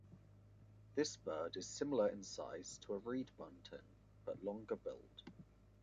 This bird is similar in size to a reed bunting, but longer-billed.